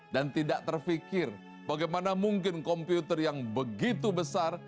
dan tidak terpikir bagaimana mungkin komputer yang begitu besar